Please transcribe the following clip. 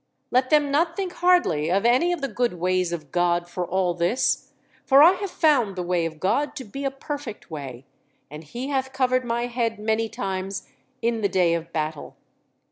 Let them not think hardly of any of the good ways of God for all this, for I have found the way of God to be a perfect way, and He hath covered my head many times in the day of battle.